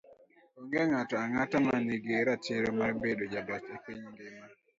Onge ng'ato ang'ata ma nigi ratiro mar bedo jaloch e piny ngima.